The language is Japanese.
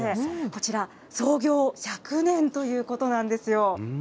こちら、創業１００年ということなんですよ。